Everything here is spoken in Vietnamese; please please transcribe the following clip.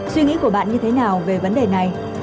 suy nghĩ của bạn như thế nào về vấn đề này